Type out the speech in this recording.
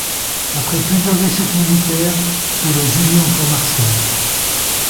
Après plusieurs échecs militaires, il est jugé en cour martiale.